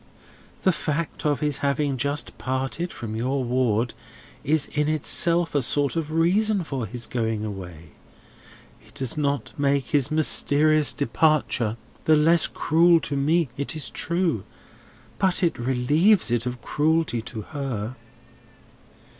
The fact of his having just parted from your ward, is in itself a sort of reason for his going away. It does not make his mysterious departure the less cruel to me, it is true; but it relieves it of cruelty to her."